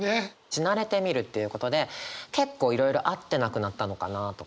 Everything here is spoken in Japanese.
「死なれてみる」っていうことで結構いろいろあって亡くなったのかなとか